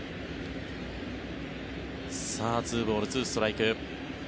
２ボール２ストライク。